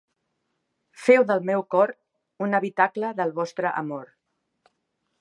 Feu del meu cor un habitacle del vostre amor.